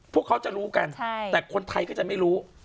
พวกเขาจะรู้กันแต่คนไทยก็จะไม่รู้